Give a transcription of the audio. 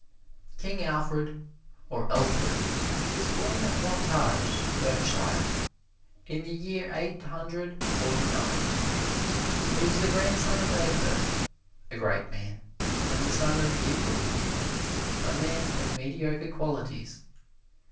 King Alfred, or Elfred, was born at Wantage, Berkshire, in the year Eight Hundred Forty nine. He was the grandson of Egbert, a great man, and the son of Ethelwulf, a man of mediocre qualities.